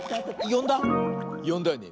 よんだよね？